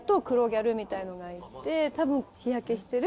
やっぱ多分日焼けしてる